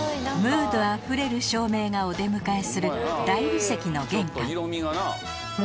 ムードあふれる照明がお出迎えする大理石の玄関